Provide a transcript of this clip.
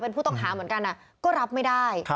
เป็นผู้ต้องหาเหมือนกันก็รับไม่ได้